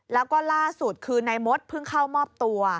แล้วก็ล่าสุดคือนายมดเพิ่งเข้ามอบตัว